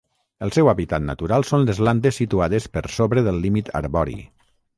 El seu hàbitat natural són les landes situades per sobre del límit arbori.